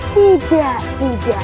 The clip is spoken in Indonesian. tidak tidak tidak